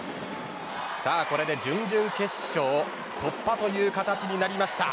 これで準々決勝を突破という形になりました。